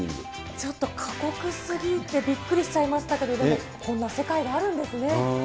ちょっと過酷すぎて、びっくりしちゃいましたけど、こんな世界があるんですね。